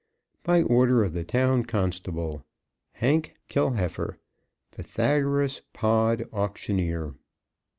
By orders of the TOWN CONSTABLE, Hank Kilheffer, Pythagoras Pod, Auctioneer.